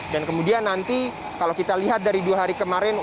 dan kemudian nanti kalau kita lihat dari dua hari kemarin